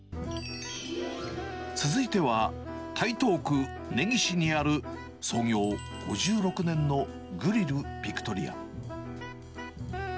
続いては、台東区根岸にある、創業５６年のグリルビクトリヤ。